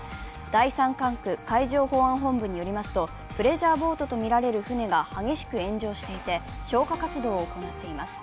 第三管区海上保安本部によりますとプレジャーボートとみられる船が激しく炎上していて、消火活動を行っています。